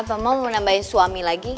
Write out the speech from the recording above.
atau mau menambahin suami lagi